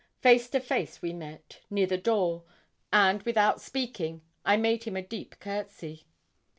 Face to face we met, near the door; and, without speaking, I made him a deep courtesy.